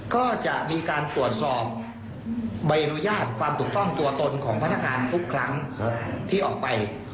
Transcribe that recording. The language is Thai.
ก็จะมีการตรวจสอบใบอนุญาตความถูกต้องตัวตนของพนักงานทุกครั้งที่ออกไป